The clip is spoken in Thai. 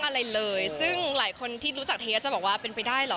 แบบมากฮะซึ่งหลายคนที่รู้จักเทย่าจะบอกว่าเป็นไปได้หรอ